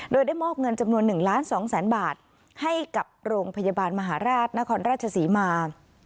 โดยได้มอบเงินจำนวน๑ล้าน๒แสนบาทให้กับโรงพยาบาลมหาราชนครราชศรีมา